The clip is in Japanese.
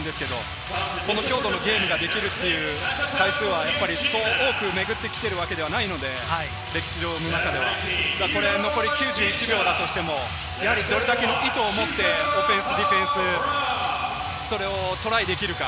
この強度のゲームができるというのは、そう多く巡ってくるわけではないので、残り９１秒だとしても、どれだけの意図を持ってオフェンス、ディフェンスそれをトライできるか。